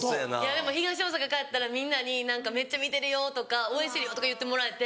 でも東大阪帰ったらみんなに「めっちゃ見てるよ」とか「応援してるよ」とか言ってもらえて。